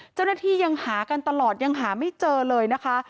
เจ้าหน้าที่ยังหากันตลอดยังหาไม่เจอเลยนะคะ